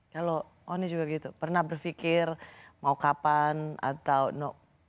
kalau oni juga gitu pernah berpikir mau kapan atau no